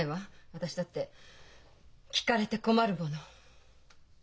私だって聞かれて困るもの。